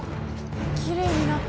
きれいになった。